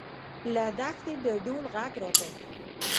له دښتې د ډول غږ راته.